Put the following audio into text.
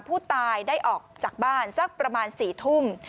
ผู้ตายได้ออกจากบ้านสักประมาณ๔ทุ่ม